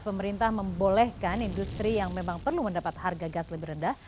pemerintah membolehkan industri yang memang perlu mendapat harga gas lebih rendah